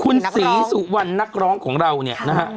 คุณศรีสุวรรณนักร้องของเราเนี่ยนะฮะ